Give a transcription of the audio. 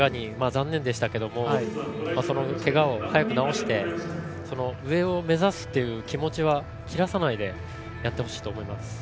残念でしたけれどもそのけがを早く治して上を目指すという気持ちは切らさないでやってほしいと思います。